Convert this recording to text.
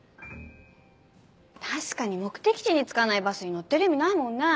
確かに目的地に着かないバスに乗ってる意味ないもんね。